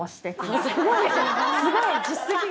すごい！実績がもう。